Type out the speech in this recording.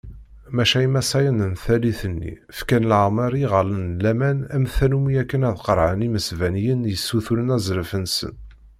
Maca imasayen n tallit-nni, fkan lamer i yiɣallen n laman am tannumi akken ad qerɛen imesbaniyen yessuturen azref-nsen.